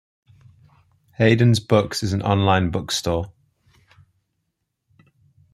Hayden's Books is an online bookstore.